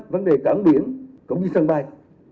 vấn đề cảng biển cũng như sân bay